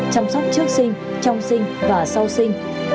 chăm sóc trước sinh trong sinh và sau sinh